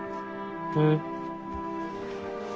うん？